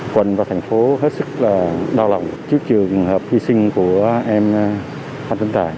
quận và thành phố hết sức đau lòng trước trường hợp hy sinh của em phan tấn tài